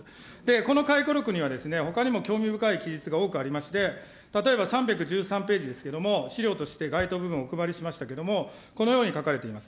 この回顧録には、ほかにも興味深い記述が多くありまして、例えば３１３ページですけど、資料として該当部分をお配りしましたけれども、このように書かれています。